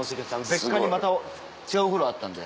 別館にまた違うお風呂あったんで。